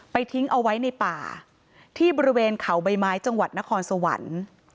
ทิ้งเอาไว้ในป่าที่บริเวณเขาใบไม้จังหวัดนครสวรรค์